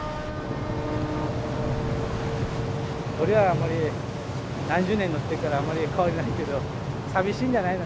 俺はあんまり何十年乗ってっからあまり変わりないけど寂しいんじゃないの？